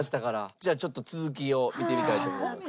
じゃあちょっと続きを見てみたいと思います。